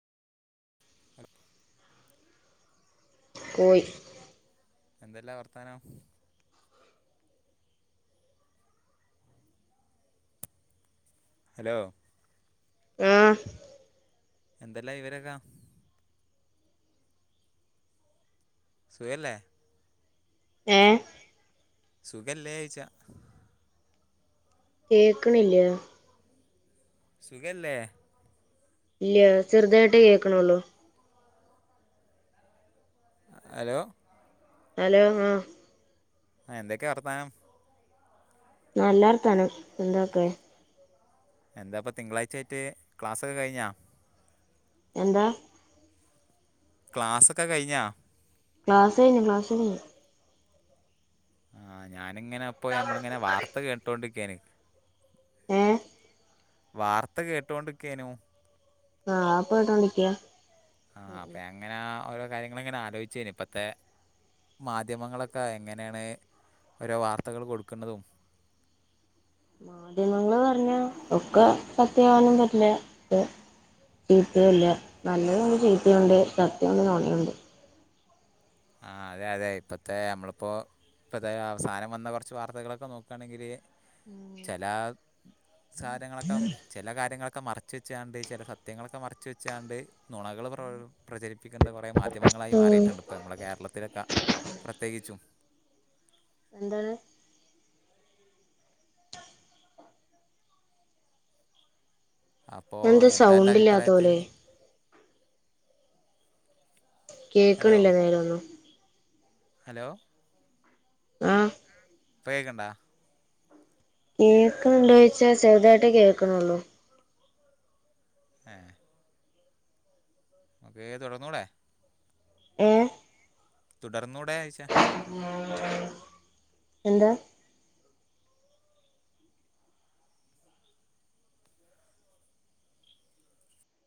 ഹലേ കോയി എന്തെല്ലാ വർത്താനം ഹലോ മം എന്തല്ലാ ഇവരൊക്കെ സുഖം ല്ലേ ഏ സുഖല്ലേ ചോദിച്ചാ കേക്കണിലേ സുഖല്ലേ ഇല്ല ചെറുതായിട്ടേ കേൾക്കണള്ളോ ഹലോ ഹലോങ്ങ എന്തൊക്കാ വർത്ഥാനം നല്ലവർഥാനം എന്തൊക്കെ എന്താപ്പോ തിങ്കളാഴ്ച ആട്ട് ക്ലാസ്ക്കെ കഴിഞ്ഞ എന്താ ക്ലാസ്ക്കെ കഴിഞ്ഞാ ക്ലാസ്സ്‌ കഴിഞ്ഞു ആ ഞാനിങ്ങനെ പോയി നമ്മള ഇങ്ങനെ വാർത്ത കേട്ടൊണ്ടിരിക്കയാണ് ഏ വാർത്ത കേട്ടുകൊണ്ടിക്കനു ആഹ് വാർത്ത കെ ട്ടോണ്ടിക്കയാ ആഹ അപ്പൊ എങ്ങനെ ഓരോ കാര്യങ്ങളൾ എങ്ങനെ ആലോചിച്ചുന് ഇപ്പഴത്തെ മാധ്യമങ്ങളൊക്കെ എങ്ങനെയാണ് ഓരോ വാർത്തകൾ കൊടുക്കുന്നതും മാധ്യമങ്ങള്ൾ പറഞ്ഞ ഒക്കെ സത്യയാവാനും പറ്റില്ല ചീപ്പ ഇല്ല നല്ലതൊണ്ട് ചീപ്പിയ ഉണ്ട് സത്യംണ്ട് നോണയുണ്ട് ആഹ അതെ അതെ ഇപ്പത്തെ നമ്മളിപ്പോ ഇപ്പഴത്തെ അവസാനം വന്ന കുറച്ച് വാർത്തകളൊക്കെ നോക്കുകയാണെങ്കിൽ ചില സാധനങ്ങളൊക്കെ ചില കാര്യങ്ങളൊക്കെ മറച്ച് വെച്ചാണ്ട് ചില സത്യങ്ങളൊക്കെ മറച്ച് വെച്ചാണ്ട് നുണകൾ പ്രം പ്രചരിപ്പിക്കുന്ന കുറേ മാധ്യമങ്ങളായി ഉം മാറിയിട്ടുണ്ട് ഇപ്പോൾ നമ്മുടെ കേരളത്തിലൊക്കെ പ്രത്യേകിച്ചും എന്താണ്. അപ്പോ എന്താ എന്താന്റെ സൗണ്ട് ഇല്ലാത്ത പോലെ അഭിപ്രായത്തില് ഹലോ കേൾക്കണില്ല നേരൊന്നും ഹലോ ആഹ് പ്പേ കേക്ക്ണ്ടോ? കേൾക്ക്ണണ്ടോ ചോദിച്ചാൽ ചെറുതായിട്ടേ കേക്കണള്ളൂ. ഏഹ് നമ്മക്ക് തുടർന്നോടെ ഏഹ് തുടർന്നൂടെയ്ച്ച. എന്താ